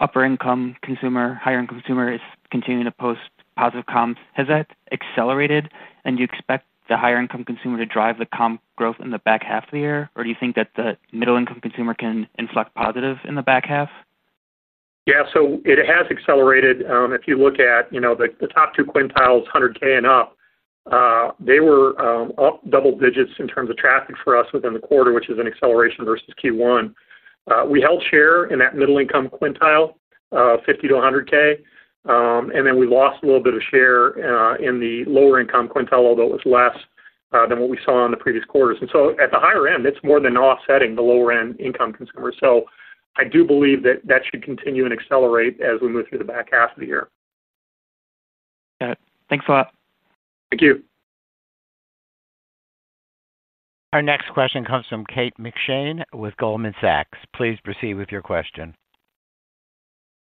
upper-income consumer, higher-income consumer is continuing to post positive comps. Has that accelerated, and do you expect the higher-income consumer to drive the comp growth in the back half of the year, or do you think that the middle-income consumer can inflect positive in the back half? It has accelerated. If you look at the top two quintiles, $100,000 and up, they were up double-digits in terms of traffic for us within the quarter, which is an acceleration versus Q1. We held share in that middle-income quintile, $50,000-$100,000, and then we lost a little bit of share in the lower-income quintile, although it was less than what we saw in the previous quarters. At the higher end, it's more than offsetting the lower-end income consumers. I do believe that should continue and accelerate as we move through the back half of the year. Got it. Thanks a lot. Thank you. Our next question comes from Kate McShane with Goldman Sachs. Please proceed with your question.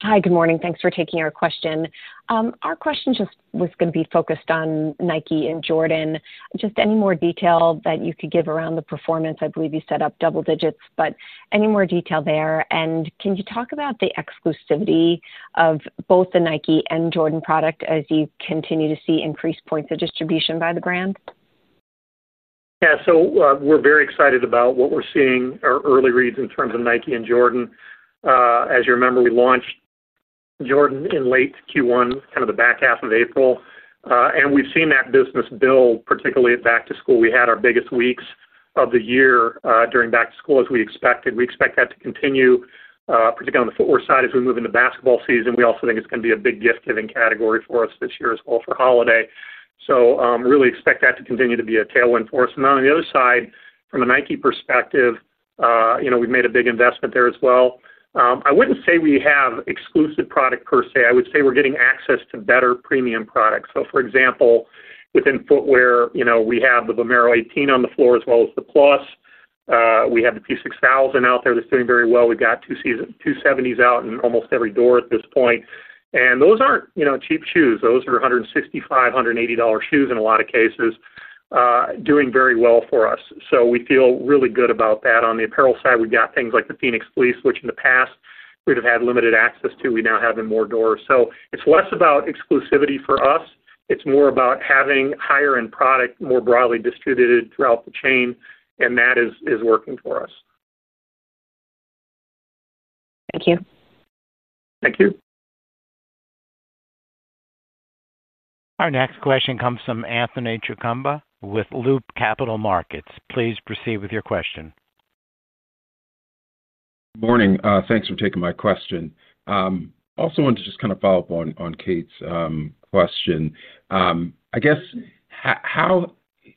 Hi. Good morning. Thanks for taking our question. Our question just was going to be focused on Nike and Jordan. Just any more detail that you could give around the performance? I believe you said up double digits, but any more detail there. Can you talk about the exclusivity of both the Nike and Jordan product as you continue to see increased points of distribution by the brand? Yeah. We're very excited about what we're seeing, our early reads in terms of Nike and Jordan. As you remember, we launched Jordan in late Q1, kind of the back half of April, and we've seen that business build, particularly at back-to-school. We had our biggest weeks of the year during back-to-school as we expected. We expect that to continue, particularly on the footwear side as we move into basketball season. We also think it's going to be a big gift-giving category for us this year as well for holiday. Really expect that to continue to be a tailwind for us. On the other side, from a Nike perspective, we've made a big investment there as well. I wouldn't say we have exclusive product per se. I would say we're getting access to better premium products. For example, within footwear, we have the Vomero 18 on the floor as well as the Plus. We have the P6000 out there that's doing very well. We've got 270s out in almost every door at this point, and those aren't cheap shoes. Those are $165, $180 shoes in a lot of cases, doing very well for us. We feel really good about that. On the apparel side, we've got things like the Phoenix Fleece, which in the past we'd have had limited access to. We now have in more doors. It's less about exclusivity for us. It's more about having higher-end product more broadly distributed throughout the chain, and that is working for us. Thank you. Thank you. Our next question comes from Anthony Chukumba with Loop Capital Markets. Please proceed with your question. Morning. Thanks for taking my question. I also wanted to just kind of follow up on Kate's question. I guess, how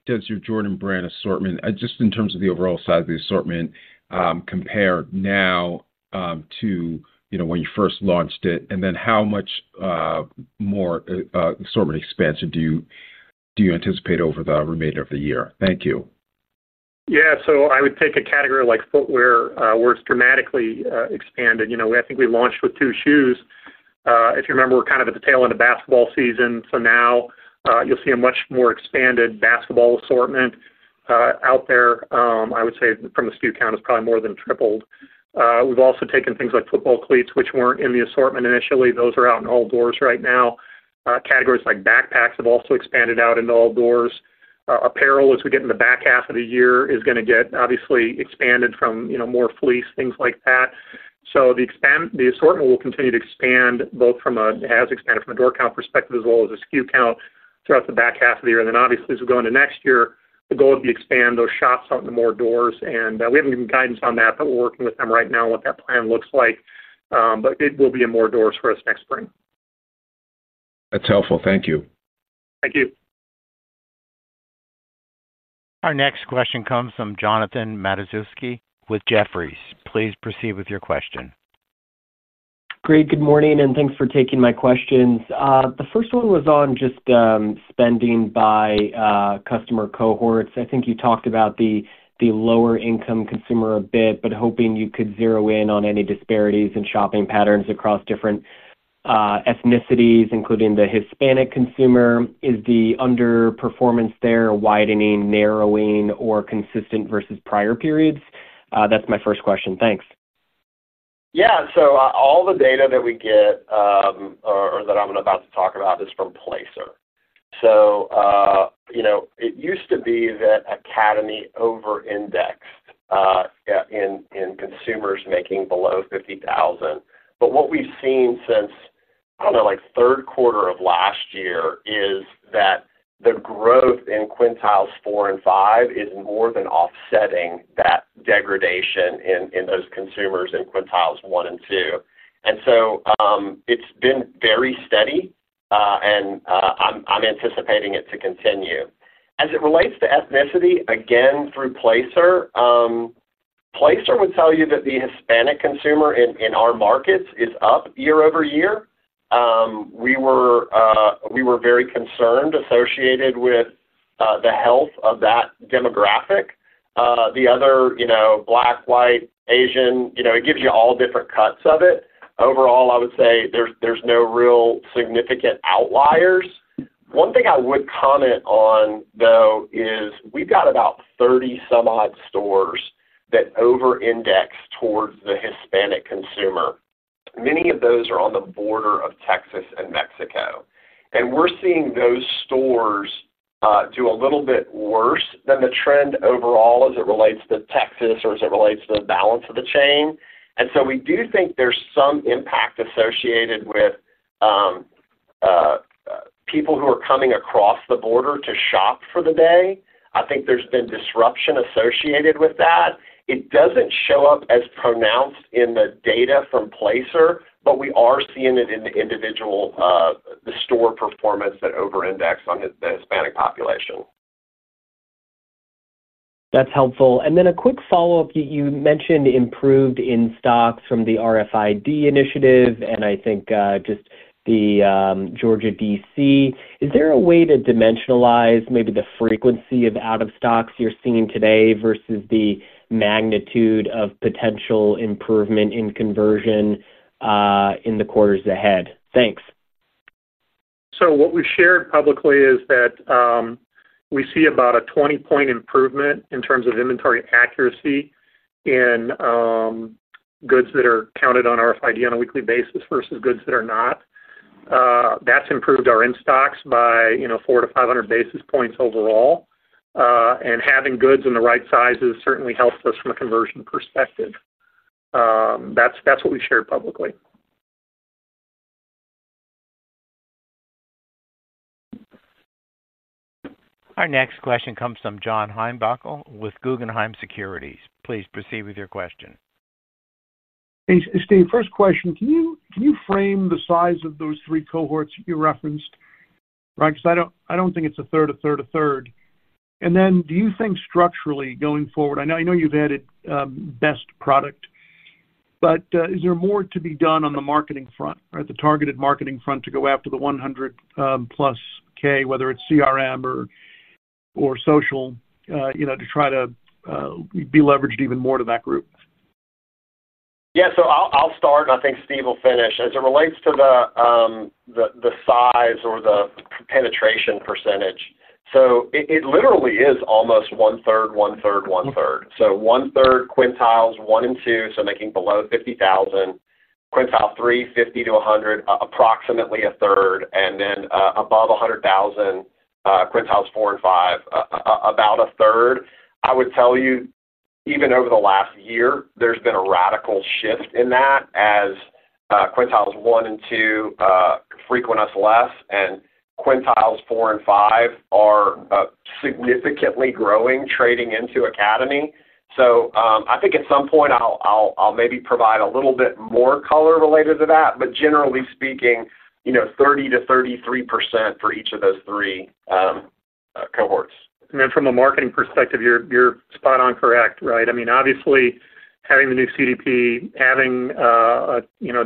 does your Jordan brand assortment, just in terms of the overall size of the assortment, compare now to, you know, when you first launched it? How much more assortment expansion do you anticipate over the remainder of the year? Thank you. Yeah. I would take a category like footwear where it's dramatically expanded. I think we launched with two shoes. If you remember, we're kind of at the tail end of basketball season. Now you'll see a much more expanded basketball assortment out there. I would say from the SKU count, it's probably more than tripled. We've also taken things like football cleats, which weren't in the assortment initially. Those are out in all doors right now. Categories like backpacks have also expanded out into all doors. Apparel, as we get in the back half of the year, is going to get obviously expanded from more fleece, things like that. The assortment will continue to expand both from a, it has expanded from a door count perspective as well as a SKU count throughout the back half of the year. Obviously, as we go into next year, the goal would be to expand those shops out into more doors. We haven't given guidance on that, but we're working with them right now on what that plan looks like. It will be in more doors for us next spring. That's helpful. Thank you. Thank you. Our next question comes from Jonathan Matuszewski with Jefferies. Please proceed with your question. Great. Good morning, and thanks for taking my questions. The first one was on just spending by customer cohorts. I think you talked about the lower-income consumer a bit, but hoping you could zero in on any disparities in shopping patterns across different ethnicities, including the Hispanic consumer. Is the underperformance there widening, narrowing, or consistent versus prior periods? That's my first question. Thanks. Yeah. All the data that we get or that I'm about to talk about is from Placer. It used to be that Academy over-indexed in consumers making below $50,000. What we've seen since, I don't know, like third quarter of last year is that the growth in quintiles four and five is more than offsetting that degradation in those consumers in quintiles one and two. It's been very steady, and I'm anticipating it to continue. As it relates to ethnicity, again, through Placer, Placer would tell you that the Hispanic consumer in our markets is up year-over-year. We were very concerned associated with the health of that demographic. The other, you know, Black, White, Asian, it gives you all different cuts of it. Overall, I would say there's no real significant outliers. One thing I would comment on, though, is we've got about 30 some-odd stores that over-index towards the Hispanic consumer. Many of those are on the border of Texas and Mexico. We're seeing those stores do a little bit worse than the trend overall as it relates to Texas or as it relates to the balance of the chain. We do think there's some impact associated with people who are coming across the border to shop for the day. I think there's been disruption associated with that. It doesn't show up as pronounced in the data from Placer, but we are seeing it in the individual store performance that over-index on the Hispanic population. That's helpful. A quick follow-up. You mentioned improved in stocks from the RFID initiative and I think just the Georgia DC. Is there a way to dimensionalize maybe the frequency of out-of-stocks you're seeing today versus the magnitude of potential improvement in conversion in the quarters ahead? Thanks. What we've shared publicly is that we see about a 20-point improvement in terms of inventory accuracy in goods that are counted on RFID on a weekly basis versus goods that are not. That's improved our in-stocks by 400 basis points-500 basis points overall. Having goods in the right sizes certainly helps us from a conversion perspective. That's what we've shared publicly. Our next question comes from John Heinbockel with Guggenheim Securities. Please proceed with your question. Hey, Steve. First question, can you frame the size of those three cohorts that you referenced, right? I don't think it's a third, a third, a third. Do you think structurally going forward, I know you've added best product, is there more to be done on the marketing front, the targeted marketing front to go after the $100,000+, whether it's CRM or social, to try to be leveraged even more to that group? Yeah. I'll start, and I think Steve will finish. As it relates to the size or the penetration percentage, it literally is almost 1/3, 1/3, 1/3. 1/3 quintiles one and two, making below $50,000. Quintile three, $50,000-$100,000, approximately a 1/3. Then above $100,000, quintiles four and five, about a 1/3. I would tell you, even over the last year, there's been a radical shift in that as quintiles one and two frequent us less, and quintiles four and five are significantly growing, trading into Academy. I think at some point, I'll maybe provide a little bit more color related to that. Generally speaking, 30%-33% for each of those three cohorts. From a marketing perspective, you're spot on correct, right? Obviously, having the new CDP, having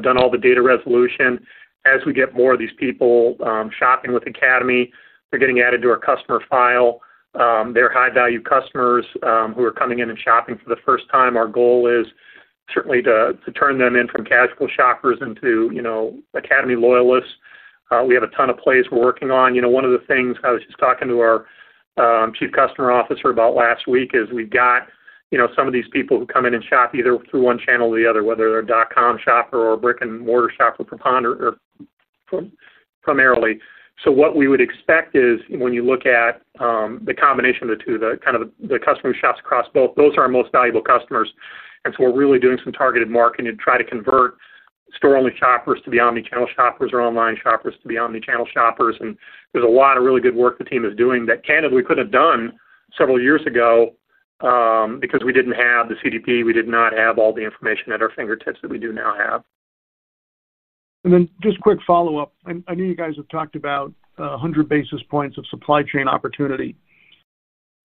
done all the data resolution, as we get more of these people shopping with Academy, they're getting added to our customer file. They're high-value customers who are coming in and shopping for the first time. Our goal is certainly to turn them from casual shoppers into Academy loyalists. We have a ton of plays we're working on. One of the things I was just talking to our Chief Customer Officer about last week is we've got some of these people who come in and shop either through one channel or the other, whether they're a dot-com shopper or a brick-and-mortar shopper primarily. What we would expect is when you look at the combination of the two, the customer who shops across both, those are our most valuable customers. We're really doing some targeted marketing to try to convert store-only shoppers to be omnichannel shoppers or online shoppers to be omnichannel shoppers. There's a lot of really good work the team is doing that candidly we could have done several years ago because we didn't have the CDP. We did not have all the information at our fingertips that we do now have. Just a quick follow-up. I know you guys have talked about 100 basis points of supply chain opportunity.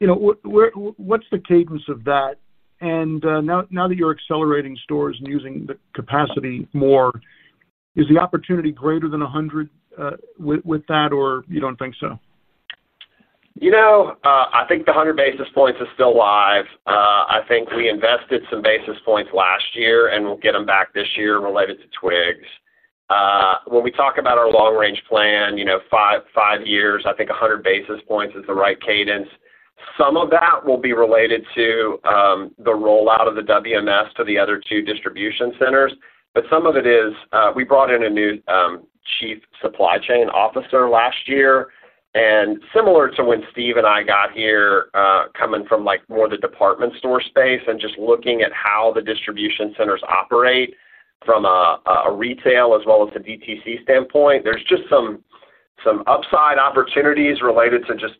What's the cadence of that? Now that you're accelerating stores and using the capacity more, is the opportunity greater than 100 basis points with that, or you don't think so? I think the 100 basis points is still alive. I think we invested some basis points last year, and we'll get them back this year related to twigs. When we talk about our long-range plan, five years, I think 100 basis points is the right cadence. Some of that will be related to the rollout of the WMS to the other two distribution centers, but some of it is we brought in a new Chief Supply Chain Officer last year. Similar to when Steve and I got here, coming from more of the department store space and just looking at how the distribution centers operate from a retail as well as a DTC standpoint, there's just some upside opportunities related to just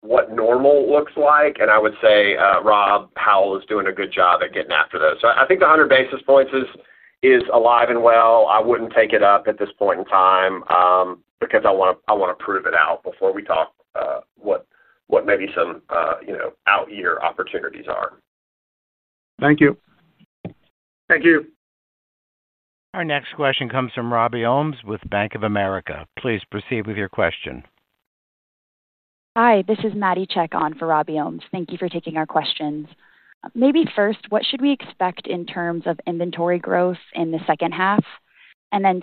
what normal looks like. I would say Rob Powell is doing a good job at getting after those. I think the 100 basis points is alive and well. I wouldn't take it up at this point in time because I want to prove it out before we talk what maybe some out-year opportunities are. Thank you. Thank you. Our next question comes from Robbie Owens with Bank of America. Please proceed with your question. Hi. This is Maddie Chekhon for Robbie Owens. Thank you for taking our questions. Maybe first, what should we expect in terms of inventory growth in the second half? Then,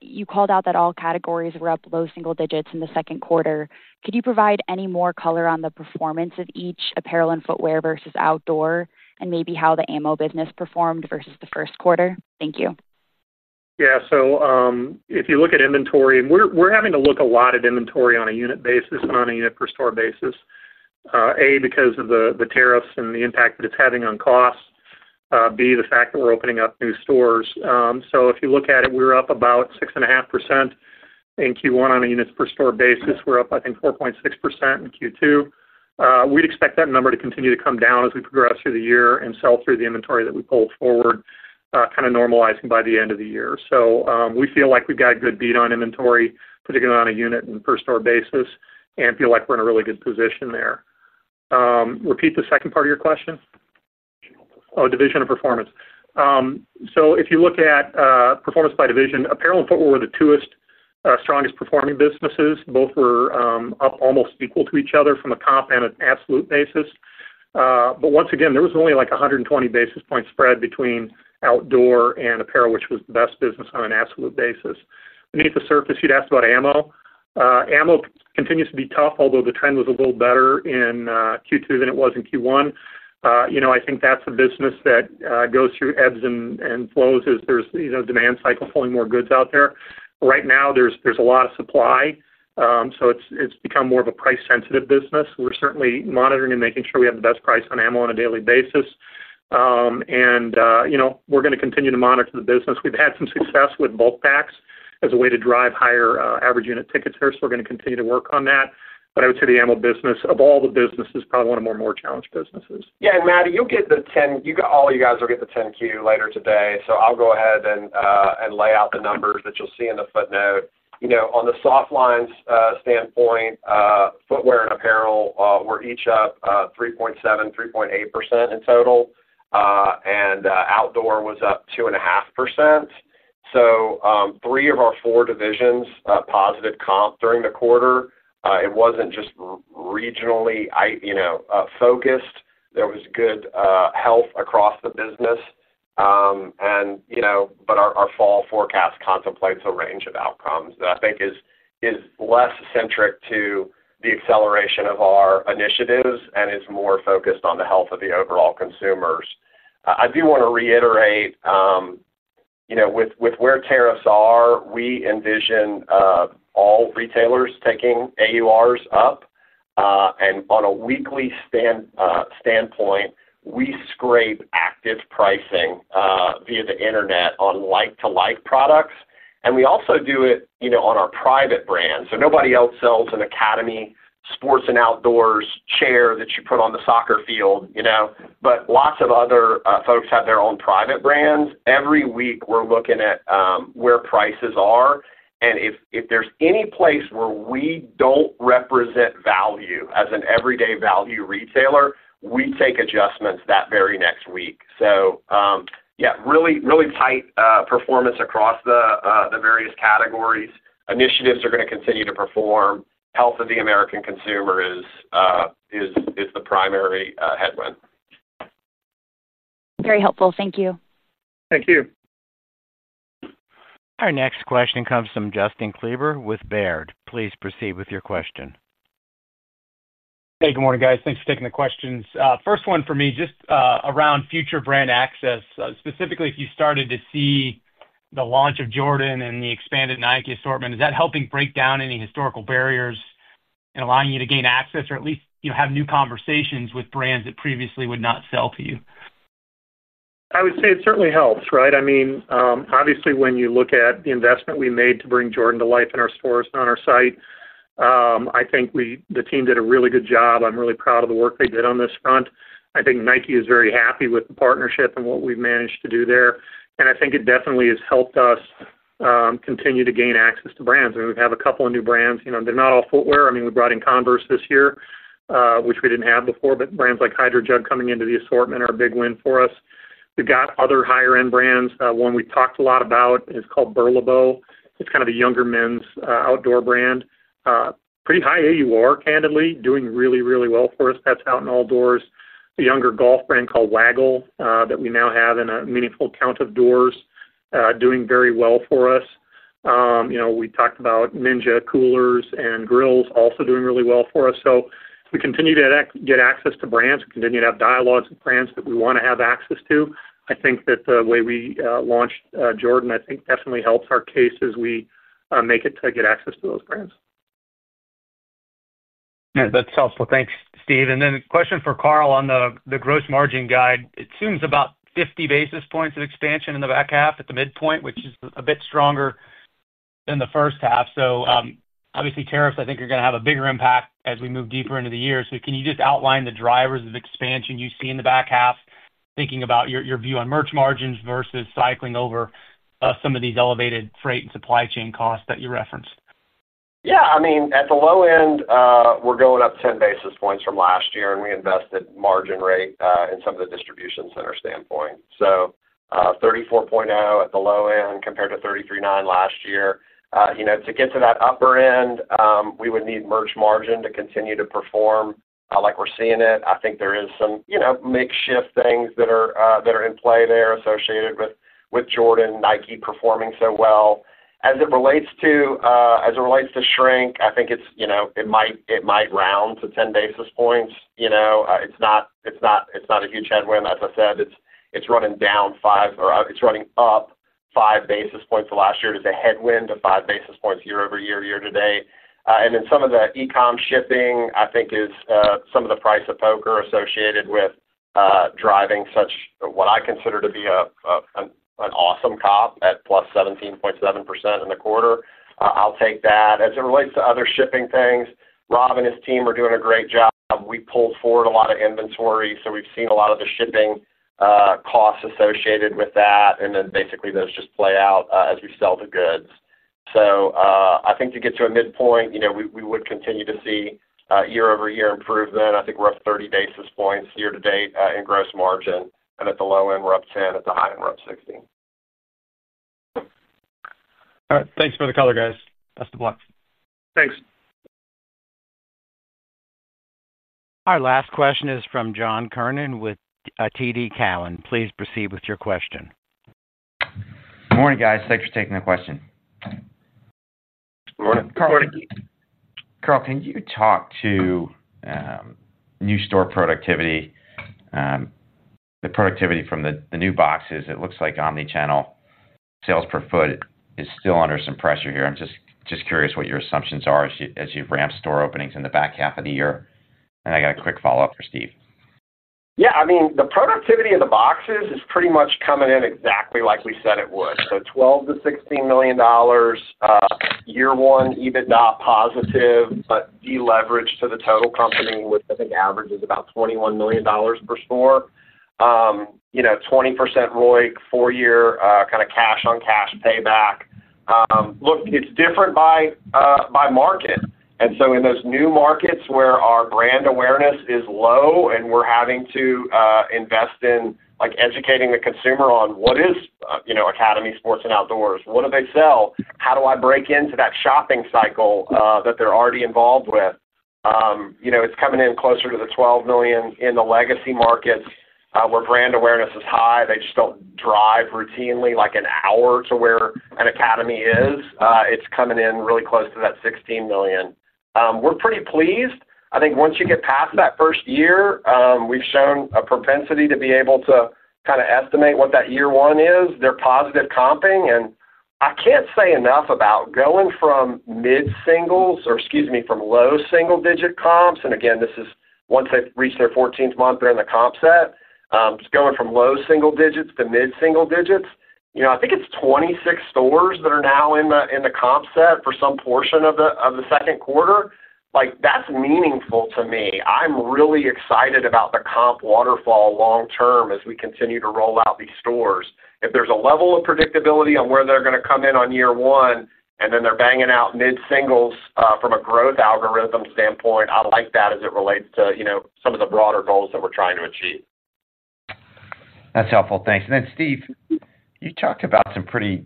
you called out that all categories were up low-single digits in the second quarter. Could you provide any more color on the performance of each apparel and footwear versus outdoor, and maybe how the ammo business performed versus the first quarter? Thank you. Yeah. If you look at inventory, we're having to look a lot at inventory on a unit basis and on a unit per store basis, A, because of the tariffs and the impact that it's having on costs, B, the fact that we're opening up new stores. If you look at it, we're up about 6.5% in Q1 on a units per store basis. We're up, I think, 4.6% in Q2. We'd expect that number to continue to come down as we progress through the year and sell through the inventory that we pulled forward, kind of normalizing by the end of the year. We feel like we've got a good beat on inventory, particularly on a unit and per store basis, and feel like we're in a really good position there. Repeat the second part of your question. Oh, division of performance. If you look at performance by division, apparel and footwear were the two strongest performing businesses. Both were up almost equal to each other from a comp and an absolute basis. There was only like a 120 basis point spread between outdoor and apparel, which was the best business on an absolute basis. Beneath the surface, you'd asked about ammo. Ammo continues to be tough, although the trend was a little better in Q2 than it was in Q1. I think that's a business that goes through ebbs and flows as there's demand cycles holding more goods out there. Right now, there's a lot of supply. It's become more of a price-sensitive business. We're certainly monitoring and making sure we have the best price on ammo on a daily basis. We're going to continue to monitor the business. We've had some success with bulk packs as a way to drive higher average unit tickets there. We're going to continue to work on that. I would say the ammo business, of all the businesses, is probably one of the more challenged businesses. Yeah. Maddie, you'll get the 10-Q. All you guys will get the 10-Q later today. I'll go ahead and lay out the numbers that you'll see in the footnote. On the soft lines standpoint, footwear and apparel were each up 3.7%, 3.8% in total. Outdoor was up 2.5%. Three of our four divisions had positive comp during the quarter. It wasn't just regionally focused. There was good health across the business. Our fall forecast contemplates a range of outcomes that I think is less centric to the acceleration of our initiatives and is more focused on the health of the overall consumers. I do want to reiterate, with where tariffs are, we envision all retailers taking AURs up. On a weekly standpoint, we scrape active pricing via the Internet on like-to-like products. We also do it on our private brands. Nobody else sells an Academy Sports + Outdoors chair that you put on the soccer field, but lots of other folks have their own private brands. Every week, we're looking at where prices are. If there's any place where we don't represent value as an everyday value retailer, we take adjustments that very next week. Really, really tight performance across the various categories. Initiatives are going to continue to perform. Health of the American consumer is the primary headwind. Very helpful. Thank you. Thank you. Our next question comes from Justin Kleber with Baird. Please proceed with your question. Hey, good morning, guys. Thanks for taking the questions. First one for me, just around future brand access. Specifically, if you started to see the launch of Jordan and the expanded Nike assortment, is that helping break down any historical barriers and allowing you to gain access or at least, you know, have new conversations with brands that previously would not sell to you? I would say it certainly helps, right? I mean, obviously, when you look at the investment we made to bring Jordan to life in our stores and on our site, I think the team did a really good job. I'm really proud of the work they did on this front. I think Nike is very happy with the partnership and what we've managed to do there. I think it definitely has helped us continue to gain access to brands. I mean, we have a couple of new brands. They're not all footwear. We brought in Converse this year, which we didn't have before, but brands like HydroJug coming into the assortment are a big win for us. We've got other higher-end brands. One we've talked a lot about is called BURLEBO. It's kind of a younger men's outdoor brand. Pretty high AUR, candidly, doing really, really well for us. That's out in all doors. A younger golf brand called Waggle that we now have in a meaningful count of doors doing very well for us. We talked about Ninja coolers and grills also doing really well for us. We continue to get access to brands. We continue to have dialogues with brands that we want to have access to. I think that the way we launched Jordan definitely helps our case as we make it to get access to those brands. That's helpful. Thanks, Steve. A question for Carl on the gross margin guide. It seems about 50 basis points of expansion in the back half at the midpoint, which is a bit stronger than the first half. Obviously, tariffs, I think, are going to have a bigger impact as we move deeper into the year. Can you just outline the drivers of expansion you see in the back half, thinking about your view on merch margins versus cycling over some of these elevated freight and supply chain costs that you referenced? Yeah. I mean, at the low end, we're going up 10 basis points from last year and reinvested margin rate in some of the distribution center standpoint. So 34.0 at the low end compared to 33.9 last year. To get to that upper end, we would need merch margin to continue to perform like we're seeing it. I think there are some makeshift things that are in play there associated with Jordan and Nike performing so well. As it relates to shrink, I think it might round to 10 basis points. It's not a huge headwind. As I said, it's running up 5 basis points in the last year. It's a headwind of 5 basis points year-over-year, year-to-date. Some of the e-com shipping is some of the price of poker associated with driving such what I consider to be an awesome comp at +17.7% in the quarter. I'll take that. As it relates to other shipping things, Rob and his team are doing a great job. We pulled forward a lot of inventory, so we've seen a lot of the shipping costs associated with that. Basically, those just play out as we sell the goods. To get to a midpoint, we would continue to see year-over-year improvement. I think we're up 30 basis points year-to-date in gross margin. At the low end, we're up 10 basis points. At the high end, we're up 16 basis points. All right. Thanks for the color, guys. Best of luck. Thanks. Our last question is from John Kernan with TD Cowen. Please proceed with your question. Morning, guys. Thanks for taking the question. Morning. Carl, can you talk to new store productivity, the productivity from the new boxes? It looks like omnichannel sales per foot is still under some pressure here. I'm just curious what your assumptions are as you've ramped store openings in the back half of the year. I got a quick follow-up for Steve. Yeah. I mean, the productivity of the boxes is pretty much coming in exactly like we said it would. So $12 million-$16 million year one, EBITDA positive, but deleveraged to the total company with, I think, averages about $21 million per store. You know, 20% ROIC, four-year kind of cash-on-cash payback. Look, it's different by market. In those new markets where our brand awareness is low and we're having to invest in educating the consumer on what is, you know, Academy Sports + Outdoors, what do they sell, how do I break into that shopping cycle that they're already involved with? It's coming in closer to the $12 million. In the legacy markets where brand awareness is high, they just don't drive routinely like an hour to where an Academy is. It's coming in really close to that $16 million. We're pretty pleased. I think once you get past that first year, we've shown a propensity to be able to kind of estimate what that year one is. They're positive comping. I can't say enough about going from low-single-digit comps. Again, this is once they've reached their 14th month, they're in the comp set. Just going from low-single-digits to mid-single-digits. I think it's 26 stores that are now in the comp set for some portion of the second quarter. That's meaningful to me. I'm really excited about the comp waterfall long-term as we continue to roll out these stores. If there's a level of predictability on where they're going to come in on year one and then they're banging out mid-singles from a growth algorithm standpoint, I like that as it relates to some of the broader goals that we're trying to achieve. That's helpful. Thanks. Steve, you talked about some pretty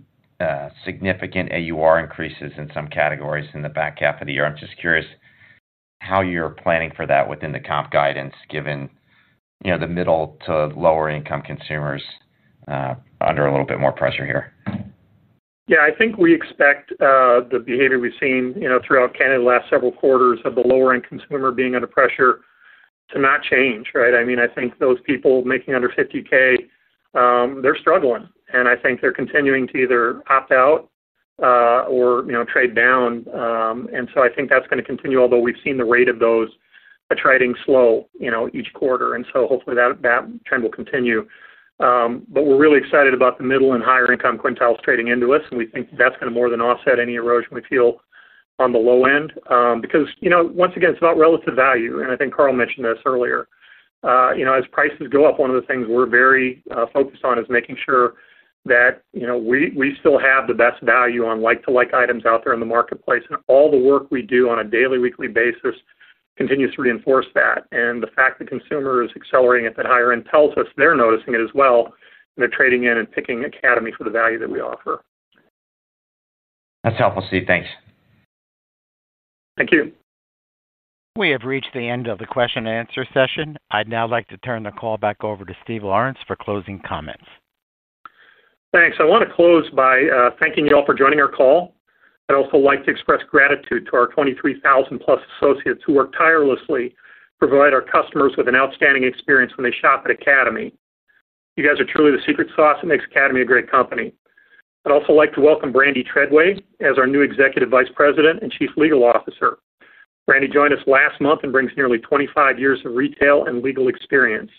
significant AUR increases in some categories in the back half of the year. I'm just curious how you're planning for that within the comp guidance given the middle to lower-income consumers under a little bit more pressure here. Yeah. I think we expect the behavior we've seen throughout the last several quarters of the lower-end consumer being under pressure to not change, right? I mean, I think those people making under $50,000, they're struggling. I think they're continuing to either opt out or trade down. I think that's going to continue, although we've seen the rate of those at trading slow each quarter. Hopefully, that trend will continue. We're really excited about the middle and higher-income quintiles trading into us. We think that's going to more than offset any erosion we feel on the low end because, you know, once again, it's about relative value. I think Carl mentioned this earlier. You know, as prices go up, one of the things we're very focused on is making sure that we still have the best value on like-to-like items out there in the marketplace. All the work we do on a daily, weekly basis continues to reinforce that. The fact that consumers accelerating at that higher end tells us they're noticing it as well. They're trading in and picking Academy for the value that we offer. That's helpful, Steve. Thanks. Thank you. We have reached the end of the question and answer session. I'd now like to turn the call back over to Steve Lawrence for closing comments. Thanks. I want to close by thanking you all for joining our call. I'd also like to express gratitude to our 23,000+ associates who work tirelessly to provide our customers with an outstanding experience when they shop at Academy. You guys are truly the secret sauce that makes Academy a great company. I'd also like to welcome Brandy Treadway as our new Executive Vice President and Chief Legal Officer. Brandy joined us last month and brings nearly 25 years of retail and legal experience.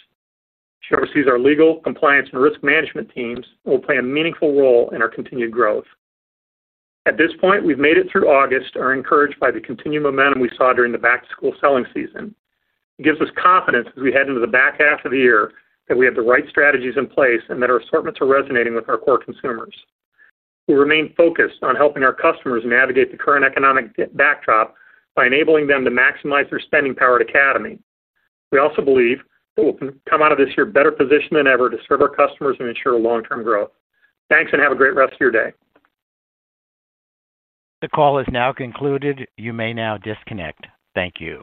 She oversees our legal, compliance, and risk management teams and will play a meaningful role in our continued growth. At this point, we've made it through August and are encouraged by the continued momentum we saw during the back-to-school selling season. It gives us confidence as we head into the back half of the year that we have the right strategies in place and that our assortments are resonating with our core consumers. We remain focused on helping our customers navigate the current economic backdrop by enabling them to maximize their spending power at Academy. We also believe that we'll come out of this year better positioned than ever to serve our customers and ensure long-term growth. Thanks and have a great rest of your day. The call is now concluded. You may now disconnect. Thank you.